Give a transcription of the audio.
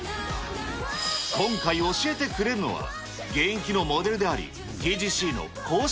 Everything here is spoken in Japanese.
今回教えてくれるのは、現役のモデルであり、ＴＧＣの公式